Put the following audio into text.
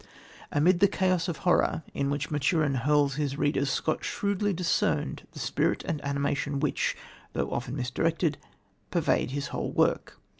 Amid the chaos of horror into which Maturin hurls his readers, Scott shrewdly discerned the spirit and animation which, though often misdirected, pervade his whole work.